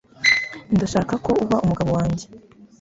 Ndashaka ko uba umugabo wanjye,